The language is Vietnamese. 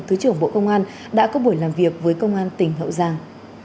thứ trưởng bộ công an đã có buổi làm việc với công an tỉnh hậu giang